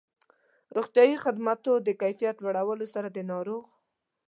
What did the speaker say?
روغتیایي خدماتو د کيفيت لوړولو سره د ناروغ